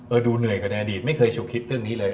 ดูเหนื่อยกับในอดีตไม่เคยชูคิดเรื่องนี้เลย